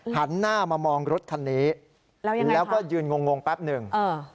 หันหน้ามามองรถคันนี้แล้วก็ยืนงงแป๊บหนึ่งอ่า